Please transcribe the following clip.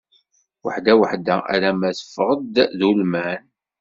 Weḥda weḥda, alma teffeɣ-d d ulman.